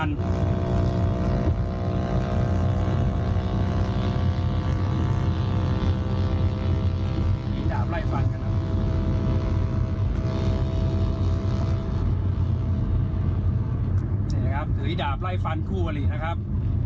นี่แหละครับถือดาบไล่ฟันคู่อลินะครับ